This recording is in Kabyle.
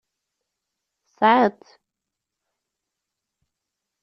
Tesɛiḍ-t.